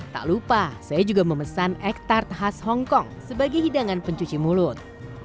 tak lupa saya juga memesan ektart khas hongkong sebagai hidangan pencuci mulut